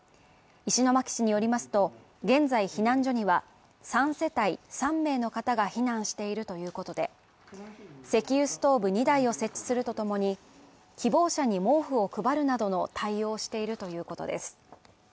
石巻市によりますと、現在避難所には３世帯、３名の方が避難しているということで、石油ストーブ２台を設置するとともに、希望者に毛布を配るなどの対応をしているということです。